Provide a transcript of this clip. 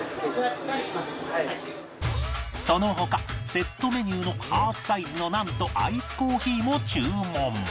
その他セットメニューのハーフサイズのナンとアイスコーヒーも注文